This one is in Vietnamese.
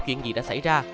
chuyện gì đã xảy ra